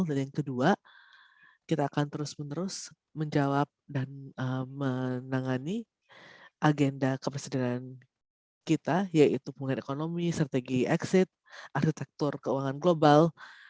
dan yang kedua kita akan terus menerus menjawab dan menangani agenda kepersedaran kita yaitu pengen ekonomi strategi exit arsitektur keuangan global